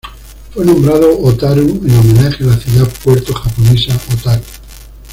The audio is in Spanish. Fue nombrado Otaru en homenaje a la ciudad puerto japonesa Otaru.